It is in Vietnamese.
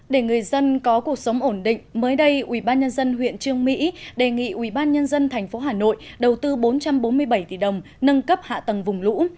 để người dân có cuộc sống ổn định mới đây ubnd huyện trương mỹ đề nghị ubnd tp hà nội đầu tư bốn trăm bốn mươi bảy tỷ đồng nâng cấp hạ tầng vùng lũ